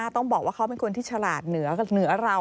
ต้องบอกว่าเขาเป็นคนที่ฉลาดเหนือเรา